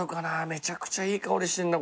めちゃくちゃいい香りしてんな